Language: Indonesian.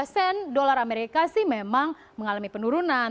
enam puluh dua sen dolar amerika sih memang mengalami penurunan